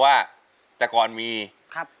สวัสดีครับ